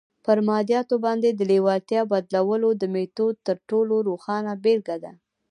پر مادياتو باندې د لېوالتیا بدلولو د ميتود تر ټولو روښانه بېلګه ده.